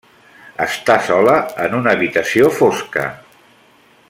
Està sola en una habitació fosca.